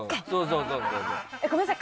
ごめんなさい。